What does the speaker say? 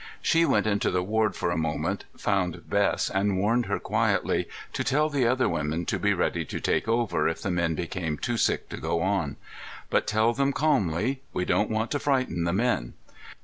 She went into the ward for a moment, found Bess and warned her quietly to tell the other women to be ready to take over if the men became too sick to go on. "But tell them calmly. We don't want to frighten the men."